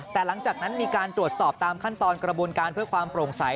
แต่หลังจากนั้นมีการตรวจสอบตามขั้นตอนกระบวนการเพื่อความโปร่งใส